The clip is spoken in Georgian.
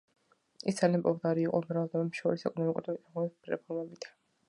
ის ძალიან პოპულარული იყო უბრალო ადამიანთა შორის ეკონომიკური და მიწათმოქმედების რეფორმებით.